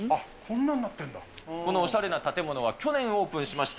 このおしゃれな建物は去年オープンしました、